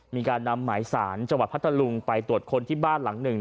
มีการนำหมายสารจังหวัดพัทธลุงไปตรวจคนที่บ้านหลังหนึ่ง